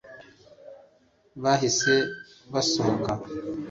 bahise basohoka